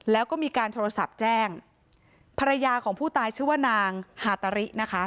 แล้วก็มีการโทรศัพท์แจ้งภรรยาของผู้ตายชื่อว่านางฮาตารินะคะ